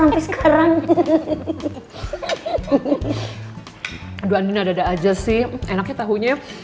abis sekarang aduh andin ada dada aja sih enaknya tahunya